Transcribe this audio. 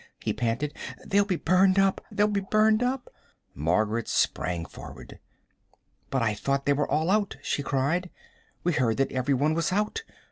he panted. "They'll be burned up they'll be burned up!" Margaret sprang forward. "But I thought they were all out," she cried. "We heard that every one was out.